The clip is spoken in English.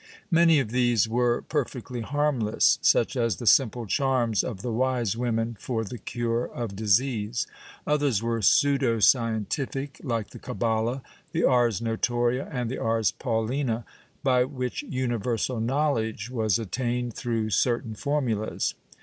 Many of these were perfectly harmless, such as the simple charms of the wise women for the cure of disease. Others were pseudo scientific, like the Cabala, the Ars Notoria and the Ars PauHna, by which universal knowledge was attained through certain formulas.